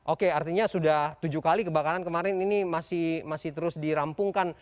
oke artinya sudah tujuh kali kebakaran kemarin ini masih terus dirampungkan